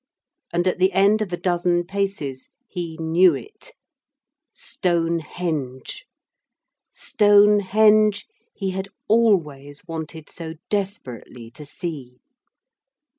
And at the end of a dozen paces he knew it. Stonehenge! Stonehenge he had always wanted so desperately to see.